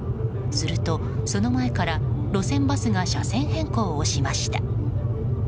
すると、その前から路線バスが車線変更をしました。